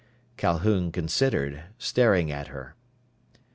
Calhoun considered, staring at her.